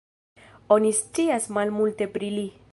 Oni scias malmulte pri li.